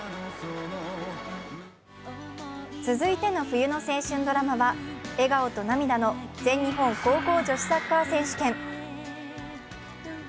続いての冬の青春ドラマは笑顔と涙の全日本高校女子サッカー選手権。